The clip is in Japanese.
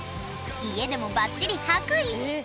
家でもばっちり白衣え！